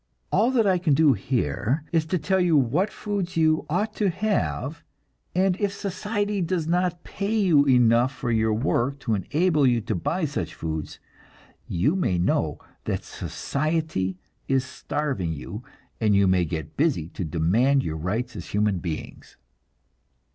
All that I can do here is to tell you what foods you ought to have, and if society does not pay you enough for your work to enable you to buy such foods, you may know that society, is starving you, and you may get busy to demand your rights as human beings.